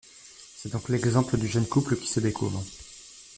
C'est donc l'exemple du jeune couple qui se découvre.